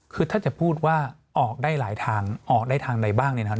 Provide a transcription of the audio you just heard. คือถ้าจะพูดว่าออกได้หลายทางออกได้ทางใดบ้างเนี่ยนะครับ